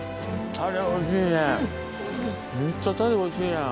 むっちゃタレおいしいやん。